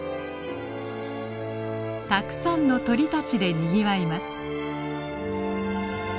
たくさんの鳥たちでにぎわいます。